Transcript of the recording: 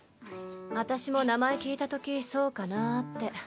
私も名前聞いたときそうかなって。